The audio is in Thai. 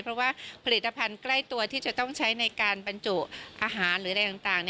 เพราะว่าผลิตภัณฑ์ใกล้ตัวที่จะต้องใช้ในการบรรจุอาหารหรืออะไรต่าง